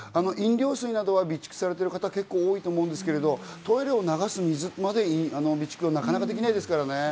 飲料水などは備蓄されている方が多いと思うんですけど、トイレを流す水までは備蓄はなかなかできないですからね。